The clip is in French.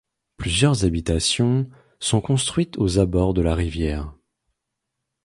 Plusieurs habitations sont construites aux abords de la rivière.